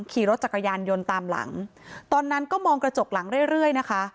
ขี่รถจักรยานยนต์ตามหลังตอนนั้นก็มองกระจกหลังเรื่อยเรื่อยนะคะ